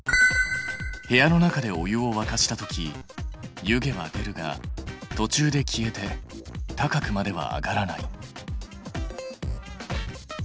部屋の中でお湯をわかした時湯気は出るがとちゅうで消えて高くまでは上がらない。